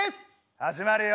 始まるよ。